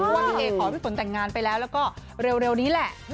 พี่เอ๊ขอพี่ผนต่างงานไปแล้วเร็วนี้แหละ